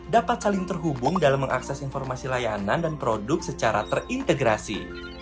dapat saling terhubung dalam mengakses informasi layanan dan produk secara terintegrasi